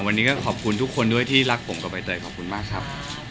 วันนี้ก็ขอบคุณทุกคนด้วยที่รักผมกับใบเตยขอบคุณมากครับ